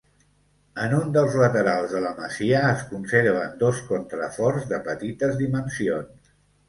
En un dels laterals de la masia es conserven dos contraforts de petites dimensions.